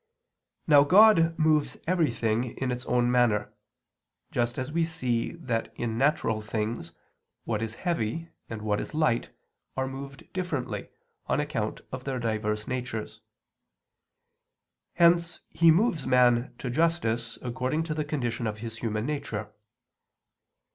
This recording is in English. Now God moves everything in its own manner, just as we see that in natural things, what is heavy and what is light are moved differently, on account of their diverse natures. Hence He moves man to justice according to the condition of his human nature.